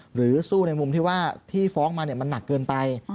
หรือสู้ในมุมที่ว่าที่ฟ้องมามันหนักเกินไป